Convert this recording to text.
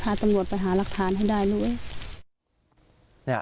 ตำรวจไปหารักฐานให้ได้เลย